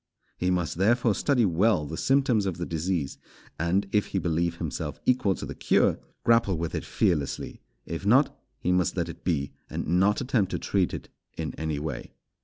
He must therefore study well the symptoms of the disease; and, if he believe himself equal to the cure, grapple with it fearlessly; if not, he must let it be, and not attempt to treat it in any way.